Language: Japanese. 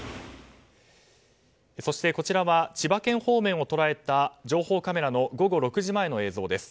そして、こちらは千葉県方面を捉えた情報カメラの午後６時前の映像です。